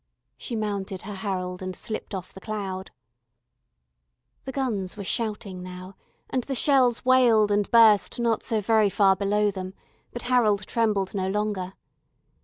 She mounted her Harold and slipped off the cloud. The guns were shouting now, and the shells wailed and burst not so very far below them, but Harold trembled no longer.